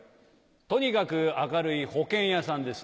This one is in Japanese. とにかく明るい保険屋さんです。